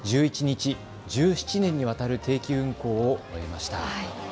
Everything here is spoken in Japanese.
１１日、１７年にわたる定期運行を終えました。